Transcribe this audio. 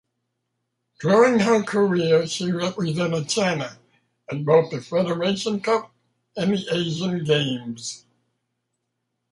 During her career she represented China at both the Federation Cup and Asian Games.